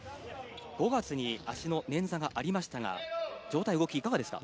５月に足の捻挫がありましたが状態、動き、いかがですか？